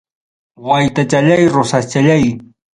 Waytachallay rosaschallay.